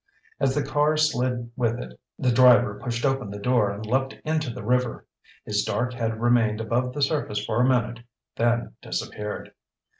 As the car slid with it, the driver pushed open the door and leaped into the river. His dark head remained above the surface for a minute, then disappeared.